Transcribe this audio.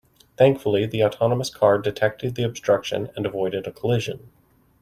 Thankfully the autonomous car detected the obstruction and avoided a collision.